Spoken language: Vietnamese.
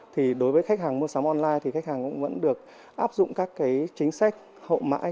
thì đối với khách hàng mua sắm online thì khách hàng cũng vẫn được áp dụng các cái chính sách hậu mãi